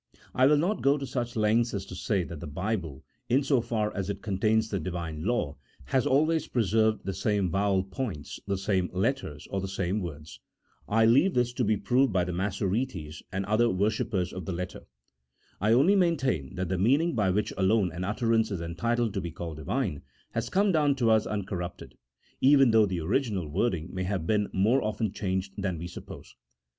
I will not go to such lengths as to say that the Bible, in so far as it contains the Divine law, has always preserved the same vowel points, the same letters, or the same words (I leave this to be proved by the Massoretes and other wor shippers of the letter), I only maintain that the meaning by which alone an utterance is entitled to be called Divine, has come down to us uncorrupted, even though the original wording may have been more often changed than we sup pose.